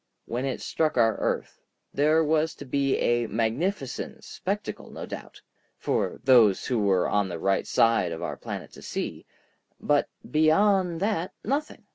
When it struck our earth there was to be a magnificent spectacle, no doubt, for those who were on the right side of our planet to see, but beyond that nothing.